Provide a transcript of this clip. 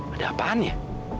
ada apaan ya